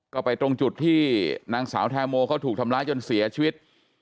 ก็ไปตรงจุดที่นางสาวแทโมเขาถูกทำร้ายจนเสียชีวิต